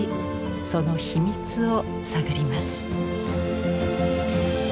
その秘密を探ります。